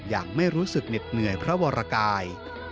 อย่างไม่รู้สึกเหน็ดเหนื่อยพระวรกาย